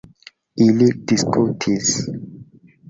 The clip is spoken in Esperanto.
Ili diskutis.